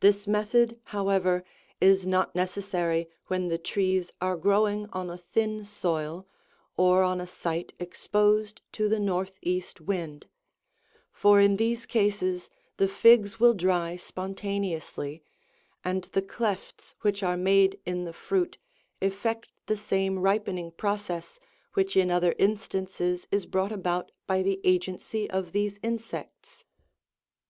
This method, however, is not neces sary when the trees are growing on a thin soil, or on a site exposed to the north east wind ; for in these cases the figs will dry spontaneously, and the clefts which are made in the fruit effect the same ripening process which in other instances _ is brought about by the agency of these insects.